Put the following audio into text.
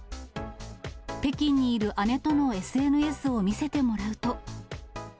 北京にいる姉とのＳＮＳを見せてもらうと。